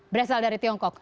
berasal dari tiongkok